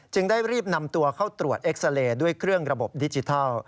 ได้รีบนำตัวเข้าตรวจเอ็กซาเรย์ด้วยเครื่องระบบดิจิทัล